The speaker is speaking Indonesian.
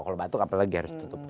kalau batuk apalagi harus ditutup